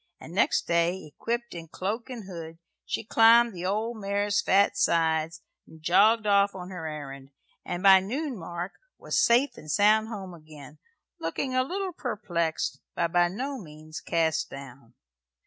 And next day, equipped in cloak and hood, she climbed the old mare's fat sides and jogged off on her errand; and by noon mark was safe and sound home again, looking a little perplexed, but by no means cast down.